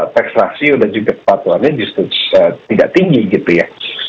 tax ratio dan juga kepatuhannya justru tidak tinggi gitu ya